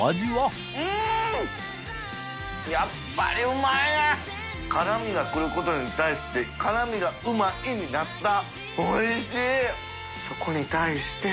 淵船礇鵝辛みが来ることに対して辛みが「うまい」になった。